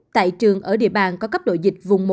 tại trường ở địa bàn có cấp độ dịch vùng một